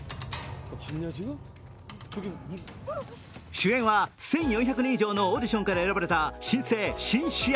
主演は１４００人以上のオーディションから選ばれた新星、シン・シア。